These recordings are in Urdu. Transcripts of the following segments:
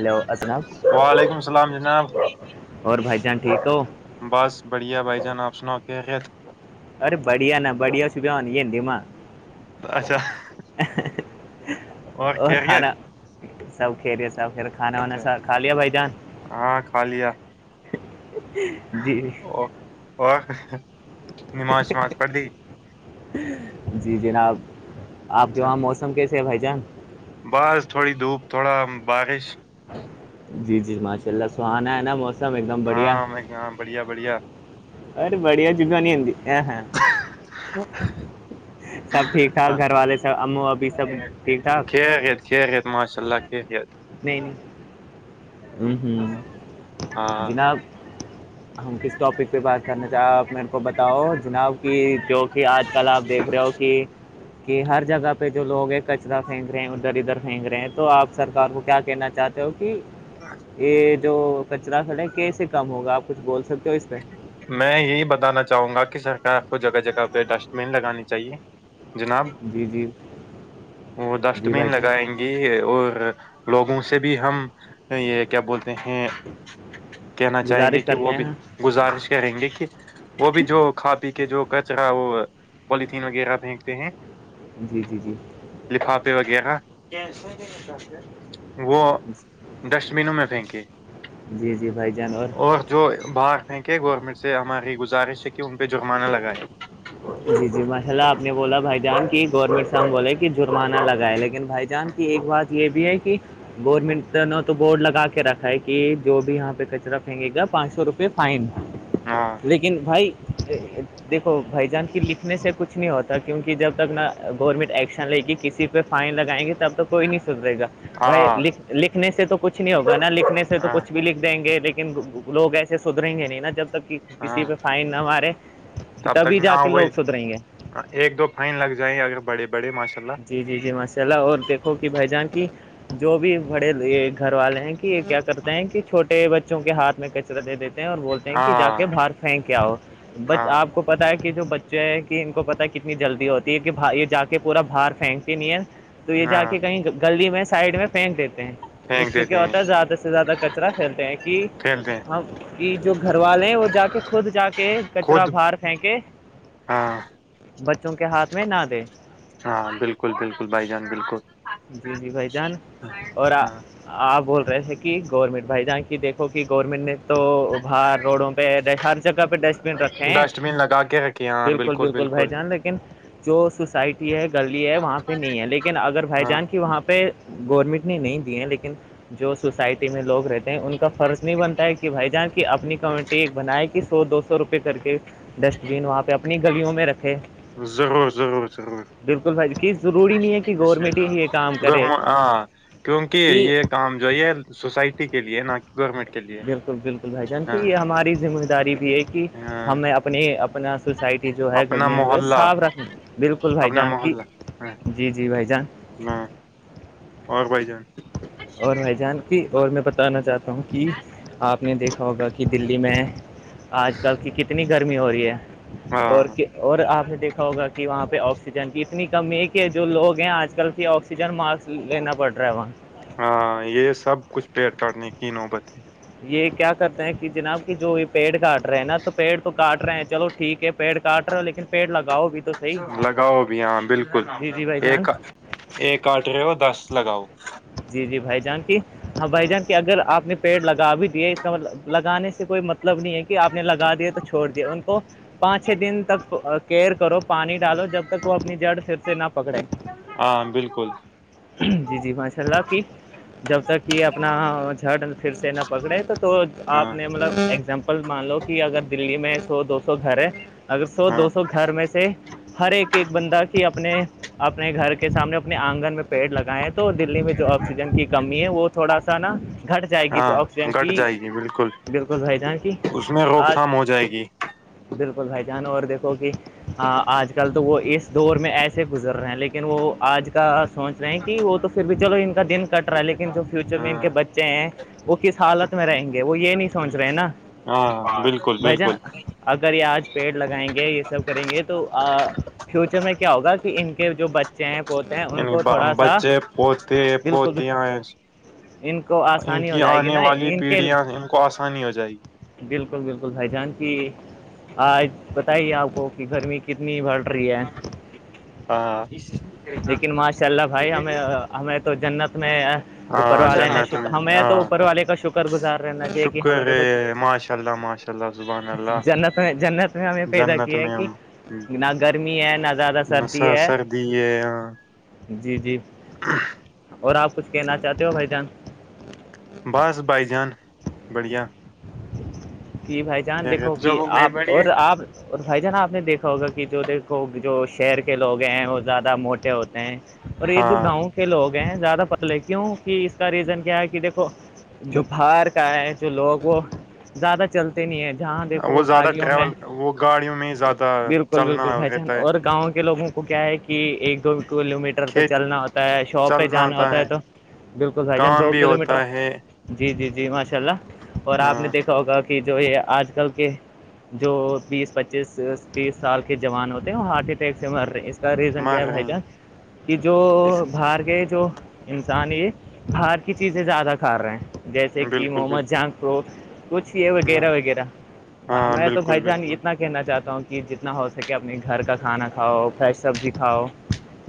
ہیلو اسنب وعلیکم اللام جناب [unintelligible] اور بھائی جان ٹھیک ہو بس بڑھیا بھائی جان آپسنا کے خت ارے بڑھیا نا بڑھیا س بھینی ماں اچھا اور کھانا [inaudible] سب کھیرییا سب کر کھانا وانا اچھا، سب کھا لیا بھائی جان ہاں کھا لیا [unintelligible] جی [inaudible] و اور نماز شماز پڑھ دی [inaudible] جی جناب آپ کے وہاں موسم کیسے ہے بھائی جان بعاز تھوڑی دھوپ تھوڑا بارش جی جی ماشاء اللہ سہانا ہے نا موسم ایک دم بڑھیا ہاں میں ہاں بڑھیا بڑھیا ار بڑھیا جگانی ہتی ا ہاں [inaudible] سب ٹھیک ٹھاک ہاں، گھر والے سب ا ابھی سب ٹھیک ٹھاک خھیریت ماشاء اللہ خھیریت نہیں نہیں ہ ہ ہاں جناب [unintelligible] ہم کس ٹاپک پہ بات کرنا چاہے آپ م کو بتاؤ جناب کہ جو کہ آج کل آپ دیکھ رہے ہو کہ کہ ہر جگہ پہ جو لوگ ہے کچرا پھینک رہے ہیں ادھر ادھر پھینک رہے ہیں تو آپ سرار کو کیا کہنا چاہتے ہو کہ ہ [inaudible] یہ جو کچرا کھڑے کیسے کم ہوگا آپ کچھ بول سکتے ہو اس پہ میں یہی بتانا چاہوں گا کہ سرکار کو جگہ جگہ پہ ڈسٹ بین لگانی چاہیے جناب جی جی وہ ڈسٹ جی بین بھائی جان لگائیں گے یہ اور لوگوں سے بھی ہم یہ کیا بولتے ہیں کہنا چاہیں گے گزارش کہ کرتے وہ ہیں بھی ہاں [inaudible] گزارش کریں گے کہ وہ بھی جو کھا پی کے جو کچرا وہ پولیتھیین وغیرہ پھینکتے ہیں جی جی جی لفافے وغیرہ وہ [inaudible] ڈسٹ بینوں میں پھینکے جی جی بھائی جان اور جو باہر پھینکے گورنمنٹ سے ہماری گزارش ہے ان پہ جو ہمار [unintelligible] جی جی ماشاء اللہ آپ نے بولا بھائی جان کی گور مشام بولے کہ جرمانہ لگائے لیکن بھائی جان کی ایک بات [unintelligible] یہ بھی ہے کہ گورنمنٹ نے تو بورڈ لگا کے رکھا ہے کہ جو بھی یہاں پہ کچرا پھینگے گا پانچ سو روپے فائن ہاں لیکن بھائی دیکو بھائی جان کی لکھنے سے کچھ نہیں ہوتا کیونکہ جب تک نا گورنمنٹ ایکشن لے گی کسی بھی پہ فائن لگائیں گے تب تو کوئی نہیں سدرے گا بھائی ہاں لکھنے سے تو کچھ نہیں ہوگا نا لکھنے سے سے تو ہاں کچھ بھی لکھ دیں گے لیکن لوگ ایسے سدھریں گے نہیں نا جب تک کہ ہاں کسی پہ فائن نہ مارے کہ تب تک تبھی جا ہاں کے لوگ وہی سدریں گے ایک دو فائن لگ جائیں اگرڑے بڑے ماشاء اللہ جی جی جی ماشاء اللہ اور دیکھو کہ بھائی جان کی جو بھی بڑے گھر والے ہیں کہ کیا کرتے ہیں کہ چھوٹے بچوں کے ہاتھ میں کے دے دیتے ہیں اور بولتے ہیں کہ جا کے ہاں باہر فیں کیا ہو بچ ہاں آ کو پتتا ہے کہ جو بچے ہیں کہ ان کو پتا کتنی جلدی ہوتی ہے کہھائی یہ جا کے پورا باہار پھینک کے نہیں ہے تو یہ جا ہاں کے کہیں گلی میں سائڈ میں پھینک دیتے ہیں اس پھینک سے دیتے کیا ہیں ہوتا ہے زیادہ سے زیادہ کچرا پھیلتے ہیں کہ کھیلتے ہیں ہم کہ جو گھر والے ہیں وہ جا کے خود جا کے کچرا خود باہر پھینک ہاں بچوں کے ہاتھ میں نہ دے ہاں بالکل بالکل بھائی جان بالکل جی جی بھائی جان اور ہاں آپ بول رہے تھے کہ گورنمنٹ بھائی جاناں کی دیکھو کہ گورنمنٹ نے تو باہر روڈوں پہ ہر جگہ پہ ڈسٹ بن رکھے ہیں ڈسٹ بین لگا کے رکھیے ہاں بالکل بالکل بھائی جان لیکن جو سوسائٹی ہے گلی ہے وہاں پہ نہیں ہے لیکن اگر بھائی ہاں جان کے وہاں پہ گورنمنٹ نے نہیں دیے ہیں لیکن جو سوسائٹی میں لوگ رہتے ان کا فرض نہیں بنتا ہے کہ بھائی جان کی اپنی کمیٹی ایک بنائے گ سو دو سو روپئے کر کے ڈسٹ بین وہاں پہ اپنی گلیوں میں رکھے ضرور ضرور ضرور بالکل بھائی کہ ضروری نہیں ہے کہ گورنمنٹ ہی یہ کام گ کرے ہاں کیونکہ کہ یہ کام جو یہ سوسائٹی کے لیے نہ کہ گورنمنٹ کے لیے بالکل بالکل بھائی جانک ہاں یہ ہماری ذمہ داری بھی ہے کہ ہاں ہمیں اپنی اپنا سوسائٹی جو ہے اپنا گلیاں جو ہے محلہ صاف رکھنی بالکل بھائی اپنا جان کی جی جی بھائی جان نہ اور بھائی جان اور بھائی جان کی اور میں بتانا چاہتا ہوں کہ آپ نے دیکھا ہوگا کہ دلی میں آج کل کی کتنی گرمی ہو رہی ہے ہاں اور اور آپ نے دیکھا ہوگا کہ کہ وہاں پہ آکسیجن کی اتنی کمی ہے کہ جو لوگ ہیں آج کل کی آکسیجن ماسک لینا پڑ رہا ہے وہاں ہاں یہ سب کچھ پیٹ کاٹنے کی نوبت ہے یہ کیا کرتے ہیں کہ جناب کہ جو یہ پیڑ کاٹ رہا ہے نا تو پیڑ تو کاٹ رہے ہیں چلو ٹھیک ہے پیڑ کاٹ رہ ہو لیکن پیڑ لگاؤ بھی تو صحیح لگاؤ بھی ہاں بالکل جی جی بھائی ایک جان ایک کٹ رہے ہو دس لگاؤ جی جی بھائی جان کی ہاں بھائی جان کی اگر آپ نے پیڑ لگا بھی دیے لگانے سے کوئی مطلب نہیں ہے کہ آپ نے لگا دیا تو چھوڑ دیا ان کو پانچ چھ دن تک کیئر کرو پانی ڈالو جب تک وہ اپنی جڑ پھر سے نہ پکڑے ہاں بالکل جی جی ماشاء اللہ کی جب تک یہ اپنا جڑ پھر سے نہ پکڑے تو تو ہاں آپ نے مطلب اگزامپل مان لو کہ اگر دلی میں سو دو سو گھر ہے اگر سو دو ہاں سو گھر میں سے ہر ایک ایک بندہ کی اپنے اپنے گھر کے سامنے اپنے آنگن میں پیڑ لگیں تو دلی میں جو آکسیجن کی کمی ہے وہ تھوڑا سا نا گھٹ جائے گی تو ہاں آکسیجن گٹ کی جائے گی بالکل بالکل بھائی جان کی اس میں روک آج تھام ہو جائے گی بالکل بھائی جانو اور دیکھو کہ ہاں آج کل تو وہ اس دور میں ایسے گزر رہے ہیں لیکن وہ آج کل سوچ رہے ہیں کہ وہ تو پھر بھی چلو ان کا دن کٹ رہا ہے لیکن جو فیوچر میں ان کے ہاں بچے ہیں وہ کس حالت میں رہیں گے وہ یہ نہیں پہنچ رہے نا ہاں ہاں بالکل بھائی جان بالکل اگر یہ آج پیڑ لگائیں گے یہ سب کریں گے تو فیوچر میں کیا ہوگا کہ ان کے جو بچے ہیں پوتے ہیں ان یعنی کو تھوڑا سا بچے پوتے بالکل پتی ہیں ان کو ان آسانی ہو کی جائے گی آنے نا والی ان کے پیڑھیاں ان کو آسانی ہو جائے گی بالکل بالکل بھائی جان کی آج بتائیے آپ کو کہ گرمی کتنی بڑ رہی ہے ہاں لیکن ماشاء اللہ بھائی ہم ہمیں تو جنت میں اوپر ہاں والے نے جنت شر میں ہمیں تو ہاں اوپر والے کا شکر گزار رہ ن چاہے کہ ہمیں دیکھو ا اللہ زبان جنت میں جنت میں ہمیں پیدا کیا ہے میں کہ نہ گرمی ہے نہ زیادہ نشہ سردی ہے سردی ہے یہاں جی جی ہ اور آپ کچھ کہنا چاہتے ہو بھائی جان بس بائی جان بڑیا کہ بھائی جان دیکھو خیریت کہ آپ اور آپ اور بھائی جانا آپ نے دیکھا ہوگا کہ جو دیکھو جو شہر کے لوگ ہیں وہ زیادہ موٹے ہوتے ہیں اور یہ جو ہاں گاؤں کے لوگ ہیں زیادہ پتلے کیوں کہ اس کا ریزن کیا ہے کہ دیکھو جو باہار کا ہے جو لوگ وہ زیادہ چلتے نہیں ہے جہاں دیکھو وہ زیادہ گاڑیوں میں ٹریول وہ گاڑیوں میں ہی زیادہ بالکل چلنا بالکل بھائی جان رہتا ہے اور گاؤں کے لگوں کو کیا ہے کہ ایک دو کلو میٹر تو کھیت چلنا ہوتا ہے شاپ پہ جانا ہوتا ہے تو بالکل بھائی جان کام دو بھی کلو میٹر ہوتا ہے جی جی جی ماشاء اللہ اور آپ نے ہاں دیکھا ہوگا کہ جو یہ آج کل کے جو بیس پچیس تیس سال کے جوان ہوتے ہیں وہ ہارٹ اٹیک سے مر رہے ہیں اس کا ریزن کیا مر ہے رہے بھائی ہیں جان کہ جو اس باہر کے جو انسان یہ باہر کی چیزیں زیادہ کھا رہے ہیں جیسے کہ بالکل محمد بالکل جان کوو ہاں وغیرہ وغیرہ ہاں میں تو بھائی بالکل جان بالکل اتنا یہ کہنا چاہتا ہوں کہ جتنا ہو سکے اپنے گھر کا کھانا کھاؤ فریش سبزی کھاؤ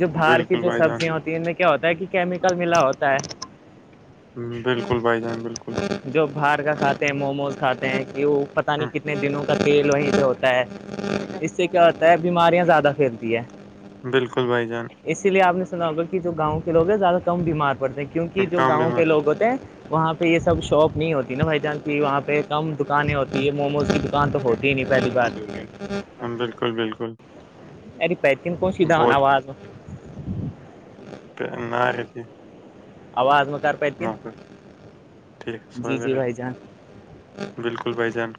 جو باہار کی بالکل جو بھائی جان سبزیاں ہوتی ہیں ان میں کیا ہوتا ہے کہ کیمیکل ملا ہوتا ہے ہ بالکل بھائی جان بالکل ہ ہوں جو باہر کا کھاتے ہیں موموز کھاتے ہیں کہ وہ پتہ ہاں، نہیں کتنے دنوں کا تیل وہیں سے ہوتا ہے اس سے کیا ہوتا ہے بیماریاں زیادہ پھیلتی ہے بالکل بھائی جان اسی لیے آپ نے سنا ہوگا کہ جو گاؤں کے لوگ ہیں زیادہ کم بیمار پڑتے ہیں کیونہ جو کام بھی گاؤں میں کے لوگ ہوتے ہیں وہاں پہ یہ سب شاپ نہیں ہوتی نا بائی چانس کہ وہاں پہ کم دکانیں ہوتی ہے موموز کی دکان تو ہوتی ہی نہیں پہلی بات بالکل بالکل ارے پی تن کون سیدا بہت آواز نہار ہتی آواز م کر ب ک ٹھیک جی سو جی بھائی جان بالکل بھائی جان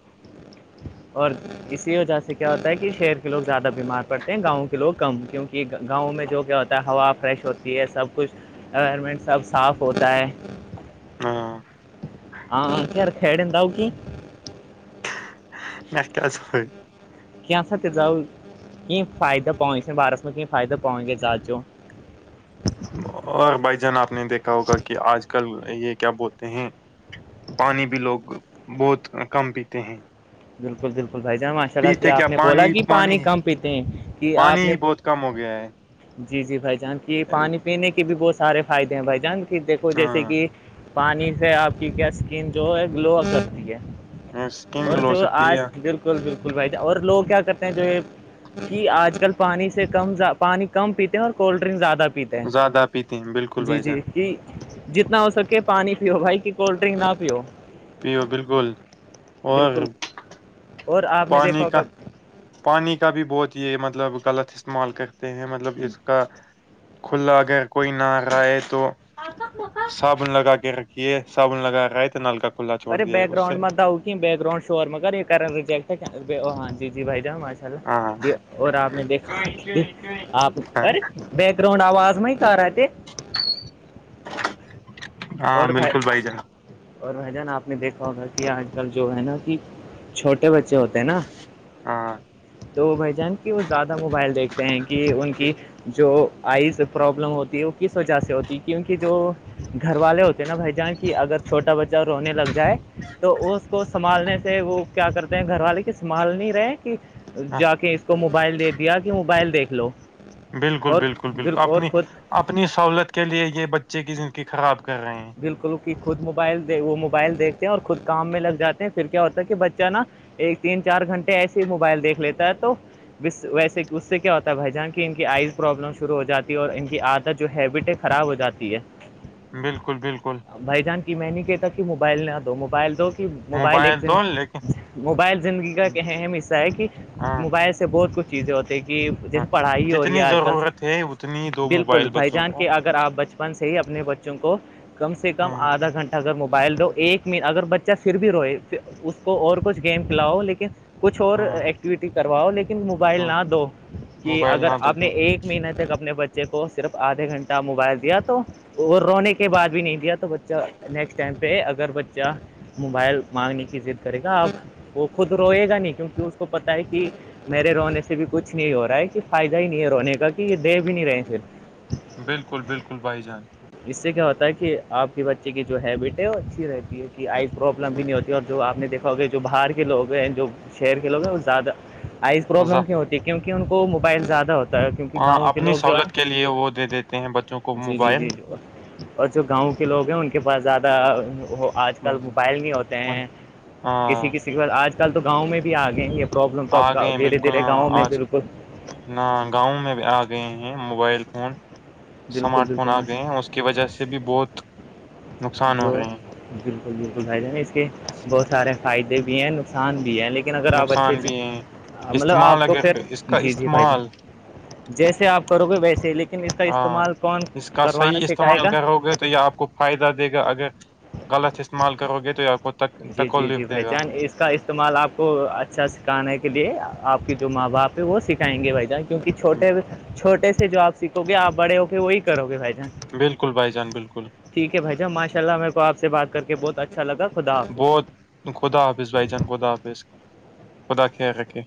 اور اسی وجہ سے کیا ہوتا ہے کہ شہر کے لوگ زیادہ بیمار پڑتے ہیں گاؤں کے لوگ کم کیونکہ گاؤں میں جو کیا ہوتا ہے ہوا فریش ہوتی ہے سب کچھ انوائرمنٹ سب صاف ہوتا ہے ہاں ہاں گھر خھیڑا وہ کی نز کی سا د زاؤ ک فائد پٮں سند بار م ک کی فائدہ پؤ گ ہم، زاتچو [inaudible] اور بھائی جان آپ نے دیکھا ہوگا کہ آج کل یہ کیا بولتے ہیں پانی بھی لوگ بہت کم پیتے ہیں بالکل بالکل بھ جانا چڑا کے آپ نے بولا کہ پانی کم پیتے ہیں کہ پانی آپ نے ہی بہت کم ہو گیا ہے جی جی بھائی جان کی ام، پانی پینے کے بھی بہت سارے فائدے ہیں بھائی جان کہ دیکھو جیسے ہاں کہ پانی سے آپ کی کیا اسکن جو ہے گلو کرتی ہے اور گ جو آج بالکل بالکل بھائی ج اور لوگ کیا کرتے ہیں جو یہ کہ آج کل پانی سے کم پانی کم پیتے ہیں اور کولڈ ڈرنک زیادہ پیتے ہیں زیادہ پیتے ہیں بالکل جی بھائی جی جان کہ جتنا ہو سکے پانی پیو بھائی کہ کولڈ ڈرنک نہ پیو پیو بالکل اور بالکل اور آپ نے پانی دیکھا کا ہوگا پانی کا بھی بہت یہ مطلب غلط استعمال کر ہیں مطلب اس کا کھلا اگر کوئی نہ کرائے تو صابن لگا کے رکھیے صابن لگا رہا ہے تو نل کا کھلا چھوڑ ارے دیا ہے بیک اس سے گراؤنڈ میں داؤ کہ بیک گراؤن شور میں کر یہ کریں ریجیکٹ ہے ہاں جی جی بھائی جان نا ہاں یہ اور آپ نے دیکھا آپ ہاں ار بیک گراؤنڈ آواز میں ہی کھا رہے تھے ہاں بالکل بھائی جان اور بھ جانا آپ نے دیکھا ہوگا کہ آج کل جو ہے نا کہ چھوٹے بچے ہوتے ہیں نا ہاں تو وہ بائی جان کہ وہ زیادہ موبائل دیکھ ہیں کہ ان کی جو آئیز پرابلم ہوتی ہے وہ کس وجہ سے ہوتی کیونکہ جو گھر والے ہوتے ہیں نا بھائی جان کی اگر چھوٹا بچہ رونے لگ جائے تو اس کو سنبھالنے سے وہ کیا کرتے ہیں گھر والے کی سنبھال نہیں رہے ہاں جا کے اس کو موبائل دے دیا کہ موبائل دیکھ لو بالکل اور بالکل بالکل اور اپنی خود اپنی سہولت کے لیے یہ بچے کی زندگی خراب کر رہے ہیں بالکل کہ خود موبائل دے وہ موبائل دیکھتے ہیں اور خود کام میں لگ جاتے ہیں پھر کیا ہوتا ہے کہ بچہ نا ایک تین چار گھنٹے ایسے ہی موبائل دیکھ لیتا ہے تو ویسے اس سے کیا ہوتا ہے بھائی جان کی ان کی آئز پرابلم شروع ہو جاتی ہے اور ان کی آدھا جو ہیبٹ ہے خراب ہو جاتی ہے بالکل بالکل بھائی جان کی میں نہیں کہتا کہ موبائل نہ دو موبائل دو موبائل ایک دو لیکن موبائل زندگی کا ایک اہم حصہ ہے کہ ہاں موبائل سے بہت کچھ چیزیں ہوتی کہ ہاں جیسے پڑھائی ہو رہی ہے جتنی آج کل سے ضرورت ہے اتنی دو بالکل موبائل بھائی بچوں جان کو کے اگر آپ بچپن سے ہی اپنے بچوں کو کم سے کم ہاں آدھا گھنٹے اگر موبائل دو ایک منٹ اگر بچہ پھر بھی روئے اس کو اور کچھ گیم کھلاؤ لیکن کچھ اور ہاں ایکٹیوٹی کرواؤ لیکن موبائل ہاں نہ دو کہ موبائل اگر نہ تو آپ نے بالکل ایک مہیینہ تک اپنے بچے بچے کو صرف آدھے گھنٹہ موبائل دیا تو وہ رونے کے بعد نہیں دیا تو بچہ نیکسٹ ٹائم پہ اگر بچہ موبائل مانگنے کی ضد کرے گا اب وہ خود روئے گا نہیں کیونکہ اس کو پت ہے کہ میرے رونے سے بھی کچھ نہیں ہو رہا ہے کہ فائدہ ہی نہیں ہے رونے کا کہ یہ دے بھی نہیں رہے صرف بالکل بالکل بھائی جان اس سے کیا ہوتا ہے کہ آپ کے بچے کی جو ہیبٹ ہے وہ اچھی رہتی ہے کہ آئی پروابلم بھی نہیں ہوتی اور جو آپ نے دیکھا ے جو باہر کے لوگ ہیں جو شہر کے لوگ ہیں وہ زیادہ آئز پروابلم ز- کیوں ہوتی کیونک ان کو موبائل زیادہ ہوتا کیونکہ آ، گاؤں کے اپنی لوگ جو ہے سہولت کے لیے وہ دے دیتے ہیں بچوں کو جی جی جی موبائل اور جو گاؤں کے لوگ ہیں ان کے پاس زیادہ آج کل ہاں موبائل نہیں ہوتے ہیں کسی آ کسی کے ب آج کل تو گاؤں میں بھی آ گئے ہی پروابلم تو آ گئے گؤ ہیں دھیرے بالکل دھیرے ہاں، گاؤں میں آج بالکل نہ گاؤں میں بھی آ گئے ہیں موبائل فون بالکل اسمارٹ فون آ بالکل گئے ہیں اس کی وجہ سے بھی بہت نقصان ہو جو رہے ہیں بالکل بالکل بھائی جہ اس کے بہت سارے فائدے بھی ہیں نقصان بھی ہے لیکن اگر آپ اچھی نقصان بھی ہیں مطلب استعمال آپ کو پھر اگر اس کا جی جی بھائی ج استعمال جیسے آپ کرو گے ویسے ہی لیکن اس کا ہاں استعمال کون اس کا کروانا صحیح سکھائے استعمال ا گا کرو گے تو یا آپ کو فائدہ دے گا اگر غلط استعمال کرو گے تو یا کو تک جی جی جی تکلیف دے بھائی گا جان اس کا استعمال آپ کو اچھا سکھانے کے لیے آپ کی جو ماں باپ ہے وہ سکھائیں گے بھائی جان کیونکہ چھوٹے چھوٹے سے جو آپ سیکھو گے آپ بڑے ہوگے وہی کرو گے بھائی جان بالکل بھائی جان بالکل ٹھیک ہے بھائیا ماشاء اللہ میرے آپ سے بات کر کے بہت اچھا لگا خدا حافظ بہت خدا حافظ بھائی جان خدا حافظ خدا کہ رکھے